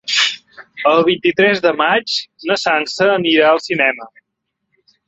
El vint-i-tres de maig na Sança anirà al cinema.